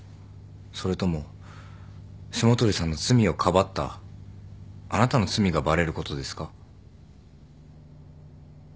それとも霜鳥さんの罪をかばったあなたの罪がバレることですか？